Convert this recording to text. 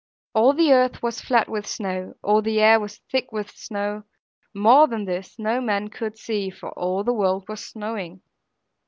All the earth was flat with snow, all the air was thick with snow; more than this no man could see, for all the world was snowing.